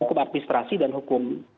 hukum administrasi dan hukum